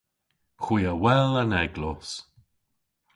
Hwi a wel an eglos.